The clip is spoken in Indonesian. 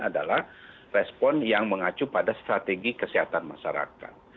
adalah respon yang mengacu pada strategi kesehatan masyarakat